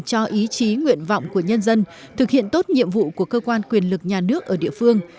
cho ý chí nguyện vọng của nhân dân thực hiện tốt nhiệm vụ của cơ quan quyền lực nhà nước ở địa phương